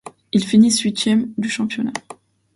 Ils finissent huitièmes du championnat.